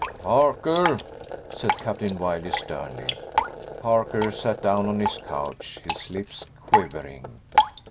"Parker," said Captain Wiley, sternly. Parker sat down on his couch, his lips quivering.